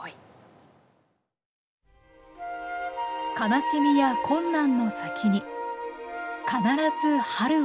悲しみや困難の先に必ず春は来る。